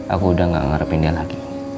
aku udah gak ngarepin dia lagi